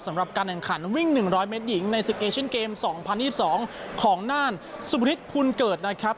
สำหรับการแข่งขันวิ่ง๑๐๐เมตรหญิงในศึกเอเชียนเกม๒๐๒๒ของน่านสุบฤทธพุนเกิดนะครับ